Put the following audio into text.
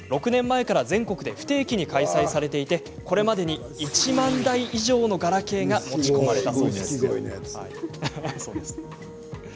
６年前から全国で不定期に開催されていてこれまでに１万台以上のガラケーが持ち込まれたそうです。